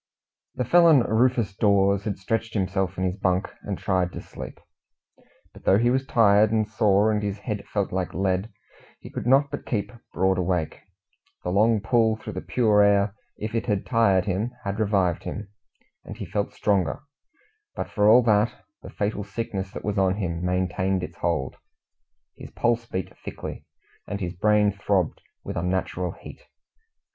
The felon Rufus Dawes had stretched himself in his bunk and tried to sleep. But though he was tired and sore, and his head felt like lead, he could not but keep broad awake. The long pull through the pure air, if it had tired him, had revived him, and he felt stronger; but for all that, the fatal sickness that was on him maintained its hold; his pulse beat thickly, and his brain throbbed with unnatural heat.